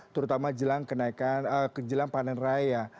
terutama kejelang panen raya